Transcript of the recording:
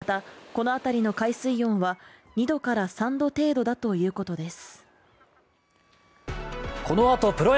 また、この辺りの海水温は２度から３度程度だということです。